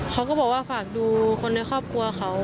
เขาก็บอกว่าฝากดูคนในครอบครัวเขา